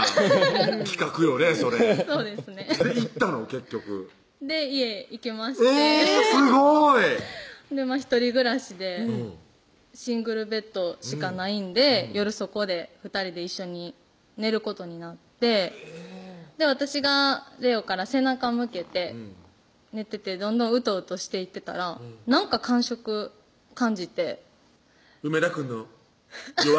結局で家行きましてすごい一人暮らしでシングルベッドしかないんで夜そこで２人で一緒に寝ることになって私が玲央から背中向けて寝ててどんどんうとうとしていってたらなんか感触感じて梅田くんのよ